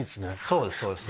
そうですそうです。